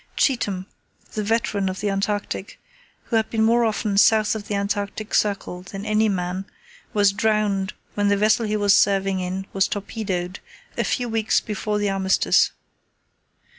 Cheetham, the veteran of the Antarctic, who had been more often south of the Antarctic circle than any man, was drowned when the vessel he was serving in was torpedoed, a few weeks before the Armistice.